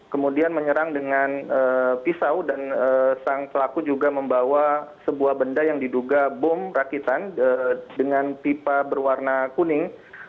kemudian menyerang dengan pisau dan sang pelaku juga membawa sebuah benda yang diduga bom rakitan dengan pipa berwarna kuning